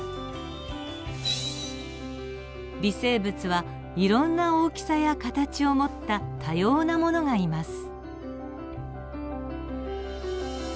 微生物はいろんな大きさや形を持った多様なものがいます。